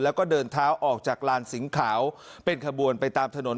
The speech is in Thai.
แล้วก็เดินเท้าออกจากลานสิงขาวเป็นขบวนไปตามถนน